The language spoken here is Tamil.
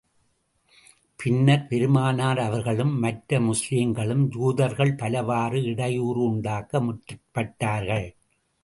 பின்னர், பெருமானார் அவர்களுக்கும், மற்ற முஸ்லிம்களுக்கும் யூதர்கள் பலவாறு இடையூறு உண்டாக்க முற்பட்டார்கள்.